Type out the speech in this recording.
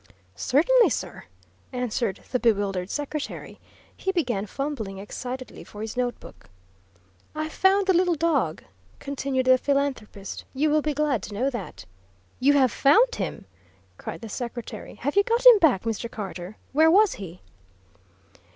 "Certainly, sir," answered the bewildered secretary. He began fumbling excitedly for his note book. "I found the little dog," continued the philanthropist. "You will be glad to know that." "You have found him?" cried the secretary. "Have you got him back, Mr. Carter? Where was he?"